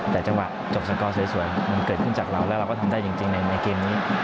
แต่จังหวะจบสกอร์สวยมันเกิดขึ้นจากเราแล้วเราก็ทำได้จริงในเกมนี้